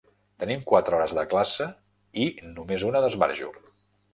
Tenim quatre hores de classe i només una d'esbarjo.